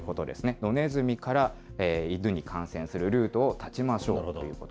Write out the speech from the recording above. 野ネズミから犬に感染するルートを絶ちましょうということ。